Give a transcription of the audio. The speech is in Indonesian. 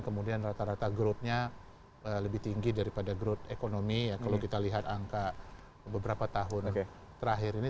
kemudian rata rata growth nya lebih tinggi daripada growth ekonomi ya kalau kita lihat angka beberapa tahun terakhir ini